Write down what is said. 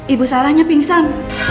ibu sarahnya pingsan